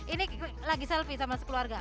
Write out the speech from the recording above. ini lagi selfie sama sekeluarga